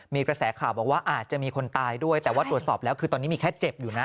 มีกระแสข่าวบอกว่าอาจจะมีคนตายด้วยแต่ว่าตรวจสอบแล้วคือตอนนี้มีแค่เจ็บอยู่นะ